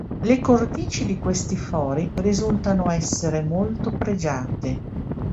Le cornici di questi fori risultano essere molto pregiate.